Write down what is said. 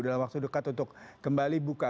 dalam waktu dekat untuk kembali buka